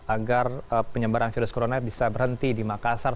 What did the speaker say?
agar penyebaran virus corona bisa berhenti di makassar